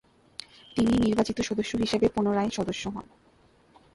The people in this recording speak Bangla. তিনি নির্বাচিত সদস্য হিসেবে পুনরায় সদস্য হন।